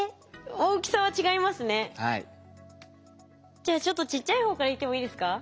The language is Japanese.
じゃあちょっとちっちゃい方からいってもいいですか？